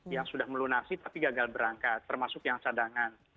yang sudah melunasi tapi gagal berangkat termasuk yang cadangan